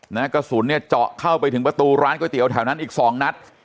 กระสุนเนี่ยเจาะเข้าไปถึงประตูร้านก๋วยเตี๋ยวแถวนั้นอีกสองนัด